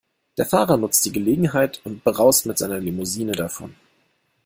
Der Fahrer nutzt die Gelegenheit und braust mit seiner Limousine davon.